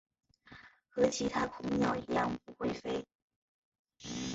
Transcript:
和其他恐鸟一样不会飞。